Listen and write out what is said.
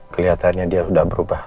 keliatannya dia udah berubah